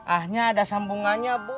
ahnya ada sambungannya bu